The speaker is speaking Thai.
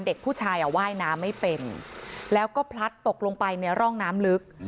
เด็กผู้ชายว่ายน้ำไม่เป็นแล้วก็พลัดตกลงไปในร่องน้ำลึก